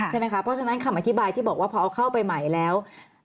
ใช่ไหมคะเพราะฉะนั้นคำอธิบายที่บอกว่าพอเอาเข้าไปใหม่แล้ว